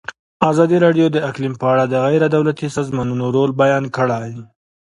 ازادي راډیو د اقلیم په اړه د غیر دولتي سازمانونو رول بیان کړی.